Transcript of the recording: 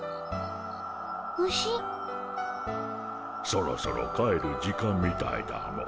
そろそろ帰る時間みたいだモ。